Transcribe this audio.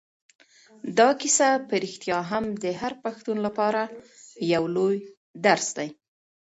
دا کیسه په رښتیا هم د هر پښتون لپاره یو لوی درس دی.